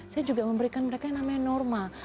saya juga memberikan mereka yang namanya normal